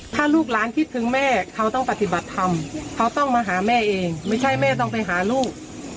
ถ้าลูกหลานคิดถึงแม่เขาต้องปฏิบัติธรรมเขาต้องมาหาแม่เองไม่ใช่แม่ต้องไปหาลูก